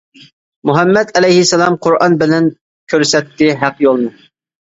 مۇھەممەد ئەلەيھىسسالام قۇرئان بىلەن كۆرسەتتى ھەق يولنى.